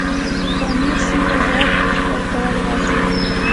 د پامیر سیند له زرکول راځي